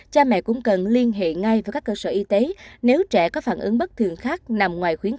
cha mẹ cũng cần liên hệ ngay với các cơ sở y tế nếu trẻ có phản ứng bất thường khác nằm ngoài khuyến